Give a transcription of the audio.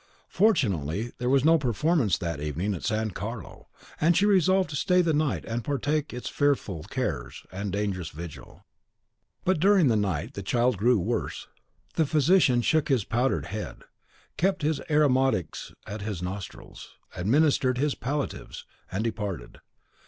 Fortunately there was no performance that evening at San Carlo, and she resolved to stay the night and partake its fearful cares and dangerous vigil. But during the night the child grew worse, the physician (the leechcraft has never been very skilful at Naples) shook his powdered head, kept his aromatics at his nostrils, administered his palliatives, and departed.